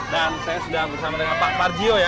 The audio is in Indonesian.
dan saya sudah bersama dengan pak parjio ya